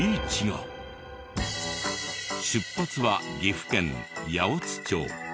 出発は岐阜県八百津町。